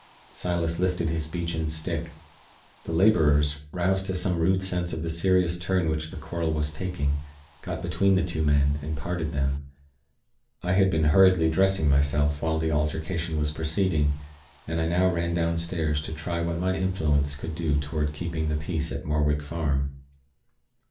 Silas lifted his beechen stick. The laborers, roused to some rude sense of the serious turn which the quarrel was taking, got between the two men, and parted them. I had been hurriedly dressing myself while the altercation was proceeding; and I now ran downstairs to try what my influence could do toward keeping the peace at Morwick Farm.